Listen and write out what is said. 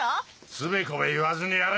つべこべ言わずにやれ！